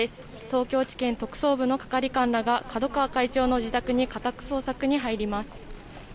東京地検特捜部の係官らが角川会長の自宅に家宅捜索に入ります。